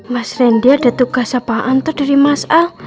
mas rendi ada tugas apaan tuh dari mas al